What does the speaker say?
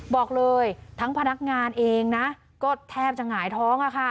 บอกเลยทั้งพนักงานเองนะก็แทบจะหงายท้องอะค่ะ